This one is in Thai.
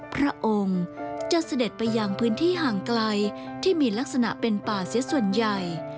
พระองค์จะเสด็จไปยังพื้นที่ห่างไกลที่มีลักษณะเป็นป่าเสียส่วนใหญ่